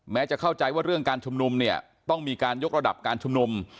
จะเข้าใจว่าเรื่องการชุมนุมเนี่ยต้องมีการยกระดับการชุมนุม